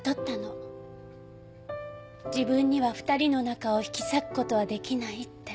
自分には２人の仲を引き裂くことはできないって。